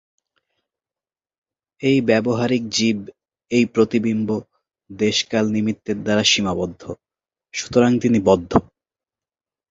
এই ব্যাবহারিক জীব, এই প্রতিবিম্ব দেশকালনিমিত্তের দ্বারা সীমাবদ্ধ, সুতরাং তিনি বদ্ধ।